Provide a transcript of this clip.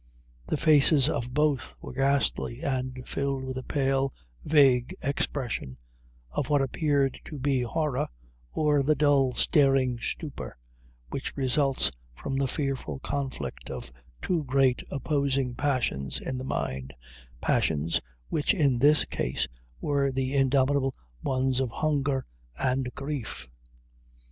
The faces of both were ghastly, and filled with a pale, vague expression of what appeared to be horror, or the dull staring stupor, which results from the fearful conflict of two great opposing passions in the mind passions, which in this case were the indomitable ones of hunger and grief.